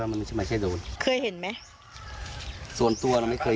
แต่เราไม่ใช่ยูทูปเบอร์